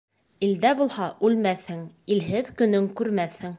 Илдә булһа, үлмәҫһең, илһеҙ көнөң күрмәҫһең.